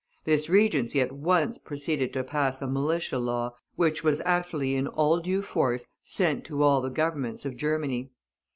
This Regency at once proceeded to pass a Militia law, which was actually in all due force sent to all the Governments of Germany.